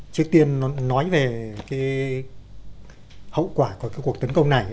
trước tiên nói về hậu quả của cuộc tấn công này